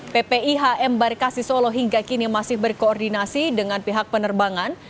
ppih embarkasi solo hingga kini masih berkoordinasi dengan pihak penerbangan